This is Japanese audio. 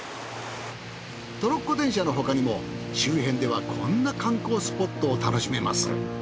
トロッコ電車の他にも周辺ではこんな観光スポットを楽しめます。